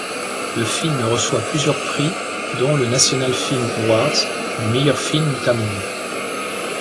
Le film reçoit plusieurs prix dont le National Film Awards du meilleur film tamoul.